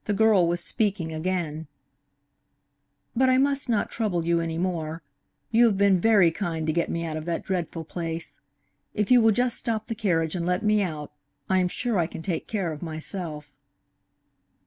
The girl was speaking again: "But I must not trouble you any more. You have been very kind to get me out of that dreadful place. If you will just stop the carriage and let me out, I am sure I can take care of myself."